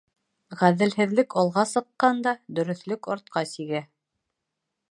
Ғәҙелһеҙлек алға сыҡҡанда, дөрөҫлөк артҡа сигә.